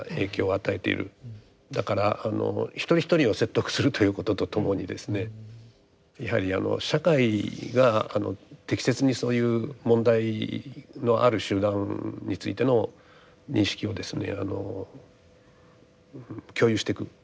だからあの一人一人を説得するということとともにですねやはり社会が適切にそういう問題のある集団についての認識をですね共有していく。